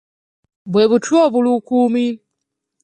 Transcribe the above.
Bwe butwa obuluukuumi.